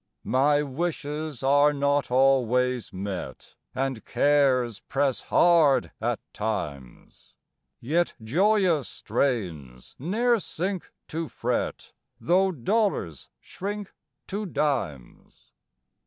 My wishes are not always met, And cares press hard at times; Yet joyous strains ne'er sink to fret, Tho' dollars shrink to dimes.